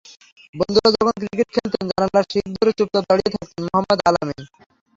বন্ধুরা যখন ক্রিকেট খেলতেন, জানালার শিক ধরে চুপচাপ দাঁড়িয়ে থাকতেন মোহাম্মদ আলামিন।